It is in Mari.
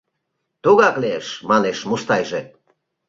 — Тугак лиеш, — манеш Мустайже.